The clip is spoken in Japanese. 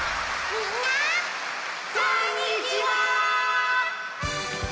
こんにちは！